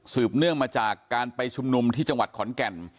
เนื่องมาจากการไปชุมนุมที่จังหวัดขอนแก่น